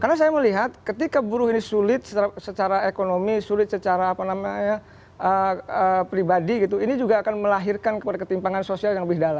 karena saya melihat ketika buruh ini sulit secara ekonomi sulit secara apa namanya pribadi gitu ini juga akan melahirkan kepada ketimpangan sosial yang lebih tinggi